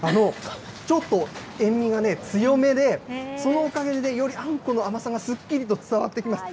ちょっと塩味が強めで、そのおかげでよりあんこの甘さがすっきりと伝わってきます。